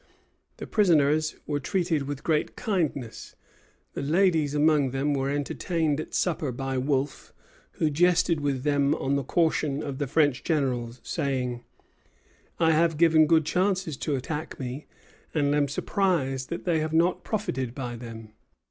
The prisoners were treated with great kindness. The ladies among them were entertained at supper by Wolfe, who jested with them on the caution of the French generals, saying: "I have given good chances to attack me, and am surprised that they have not profited by them."